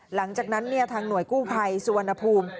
หลังจากนั้นทางหน่วยกู้ภัยสุวรรณภูมิ